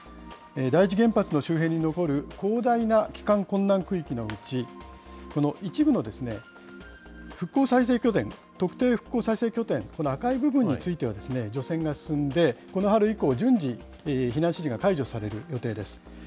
第一原発の周辺に残る広大な帰還困難区域のうち、この一部のですね、復興再生拠点、特定復興再生拠点、この赤い部分についてはですね、除染が進んで、この春以降、順次、避難指示が解除される予定です。